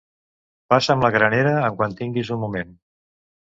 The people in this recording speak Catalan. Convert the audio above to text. Passa'm la granera en quant tinguis un moment